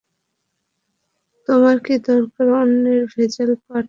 তোমার কি দরকার অন্যের ভেজাল পা ঢোকানোর?